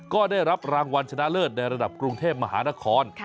ก็ได้รับรางวัลชนะเลิศในระดับกรุงเทพมหานคร